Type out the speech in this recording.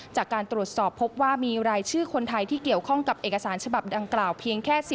จากการตรวจสอบพบว่ามีรายชื่อคนไทยที่เกี่ยวข้องกับเอกสารฉบับดังกล่าวเพียงแค่